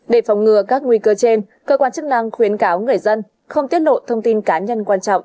để phòng ngừa các nguy cơ trên cơ quan chức năng khuyến cáo người dân không tiết lộ thông tin cá nhân quan trọng